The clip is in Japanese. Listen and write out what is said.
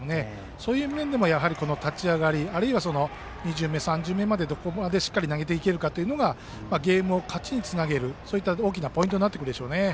そういう面でも立ち上がりあるいは２巡目、３巡目までどこまでしっかり投げていけるかがゲームを勝ちにつなげる大きなポイントになってきます。